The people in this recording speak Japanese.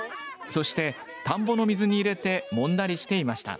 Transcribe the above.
そして、田んぼの水に入れてもんだりしていました。